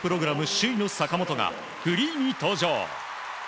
首位の坂本がフリーに登場。